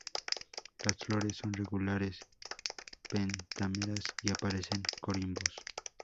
La flores son regulares, pentámeras, y aparecen corimbos.